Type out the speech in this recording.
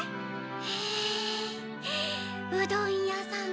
へえうどん屋さん